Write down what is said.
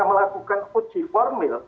melakukan uji formil